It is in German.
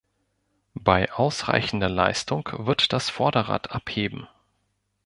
Bei ausreichender Leistung wird das Vorderrad abheben.